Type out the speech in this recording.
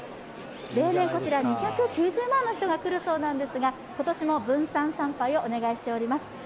例年こちら、２９０万の人が来るそうなんですが、今年も分散参拝をお願いしております。